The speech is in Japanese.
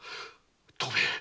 藤兵衛。